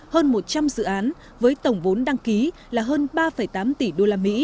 hơn một trăm linh dự án với tổng vốn đăng ký là hơn ba tám tỷ usd